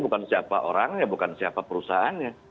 bukan siapa orangnya bukan siapa perusahaannya